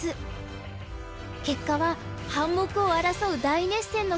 結果は半目を争う大熱戦の末関が勝利。